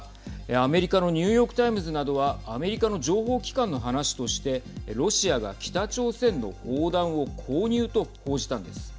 アメリカのニューヨーク・タイムズなどはアメリカの情報機関の話としてロシアが北朝鮮の砲弾を購入と報じたんです。